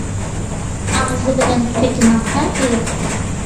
ئاغزى بىلەن كۆتىنىڭ پەرقى يوق.